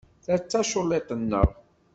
Ta d taculliḍt-nneɣ.